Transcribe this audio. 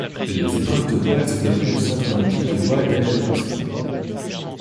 Les épreuves de voile se déroulent au Centre olympique de voile d'Agios Kosmas.